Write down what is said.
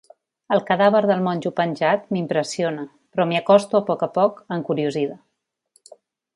El cadàver del monjo penjat m'impressiona, però m'hi acosto a poc a poc, encuriosida.